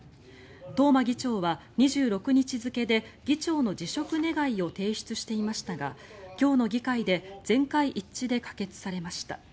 東間議長は２６日付で議長の辞職願を提出していましたが今日の議会で全会一致で可決されました。